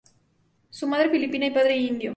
De madre filipina y padre indio.